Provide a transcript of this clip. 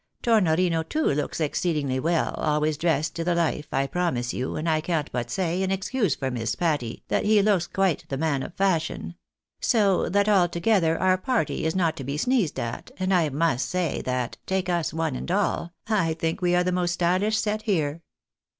Tornorino, too, looks exceedingly well, always dressed to the life, I promise you, and I can't but say, in excuse for Miss Patty, that he looks quite the man of fashion ; so that altogether our party is not to be sneezed at, and I must say that, take us one and all, I think we are the most stylish set here.